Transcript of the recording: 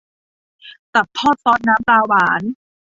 ตับทอดซอสน้ำปลาหวาน